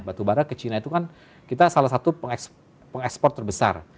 batu bara ke china itu kan kita salah satu pengekspor terbesar